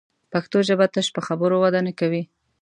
پښتو ژبه تش په خبرو وده نه کوي